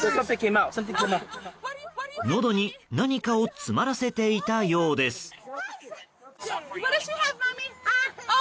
のどに何かを詰まらせていたようです。